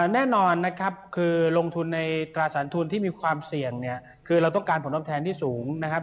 แน่นอนนะครับคือลงทุนในตราสารทุนที่มีความเสี่ยงเนี่ยคือเราต้องการผลตอบแทนที่สูงนะครับ